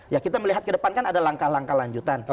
ya kita melihat ke depan kan ada langkah langkah lanjutan